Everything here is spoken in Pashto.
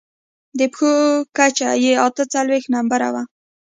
د پښو کچه يې اته څلوېښت نمبره وه.